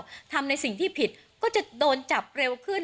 ถ้าทำในสิ่งที่ผิดก็จะโดนจับเร็วขึ้น